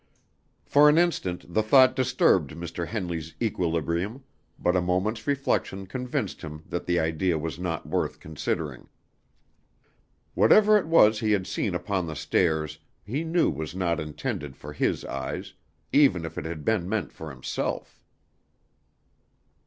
For an instant the thought disturbed Mr. Henley's equilibrium, but a moment's reflection convinced him that the idea was not worth considering. Whatever it was he had seen upon the stairs he knew was not intended for his eyes, even if it had been meant for himself.